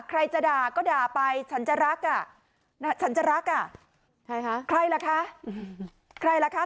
ใครจะด่าก็ด่าไปฉันจะรักอ่ะฉันจะรักอ่ะใครคะใครล่ะคะใครล่ะคะ